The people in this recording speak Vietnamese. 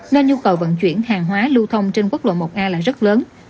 nên nhu cầu vận chuyển hàng hóa lưu thông trên quốc lộ một a là rất lớn